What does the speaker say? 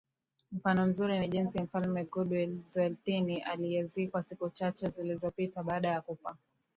Mfano mzuri ni jinsi mfalme Goodwill Zwelithini aliyezikwa siku chache zilizopita baada ya kufa